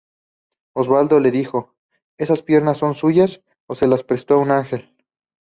Osvaldo le dijo: ""¿esas piernas son suyas o se las prestó un ángel?"".